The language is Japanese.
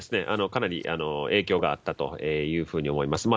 かなり影響があったというふうに思います。